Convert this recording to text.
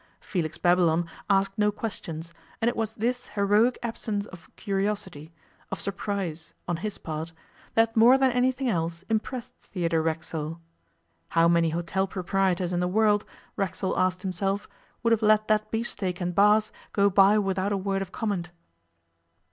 Felix Babylon asked no questions, and it was this heroic absence of curiosity, of surprise on his part, that more than anything else impressed Theodore Racksole. How many hotel proprietors in the world, Racksole asked himself, would have let that beef steak and Bass go by without a word of comment.